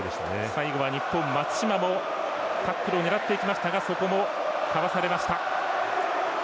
最後は日本、松島もタックルを狙っていきましたがそこも離されました。